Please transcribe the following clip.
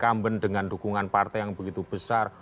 kambent dengan dukungan partai yang begitu besar